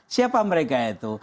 siapa mereka itu